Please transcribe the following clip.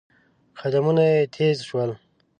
قدمونه يې تېز شول.